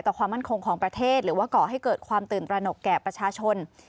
ความมั่นคงของประเทศหรือว่าก่อให้เกิดความตื่นตระหนกแก่ประชาชน